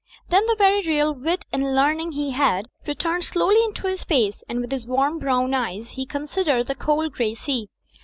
Then, the very real wit and learning he had returned slowly into his face and with his warm, brown eyes he considered the cold, grey sea.